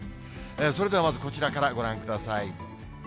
それではまず、こちらからご覧ください。